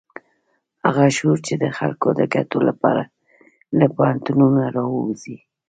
هغه شعور چې د خلکو د ګټو لپاره له پوهنتونونو راوزي.